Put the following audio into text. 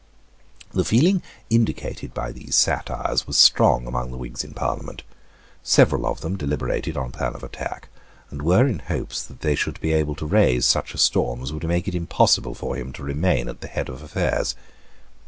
The feeling indicated by these satires was strong among the Whigs in Parliament. Several of them deliberated on a plan of attack, and were in hopes that they should be able to raise such a storm as would make it impossible for him to remain at the head of affairs.